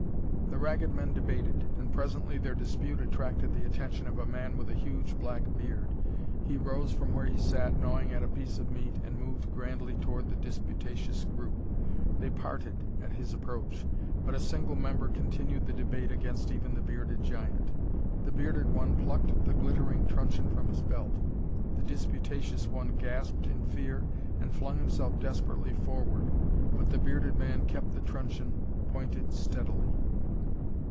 The Ragged Men debated, and presently their dispute attracted the attention of a man with a huge black beard. He rose from where he sat gnawing at a piece of meat and moved grandly toward the disputatious group. They parted at his approach, but a single member continued the debate against even the bearded giant. The bearded one plucked the glittering truncheon from his belt. The disputatious one gasped in fear and flung himself desperately forward. But the bearded man kept the truncheon pointed steadily....